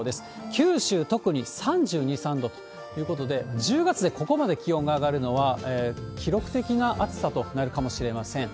九州、特に３２、３度ということで、１０月でここまで気温が上がるのは、記録的な暑さとなるかもしれません。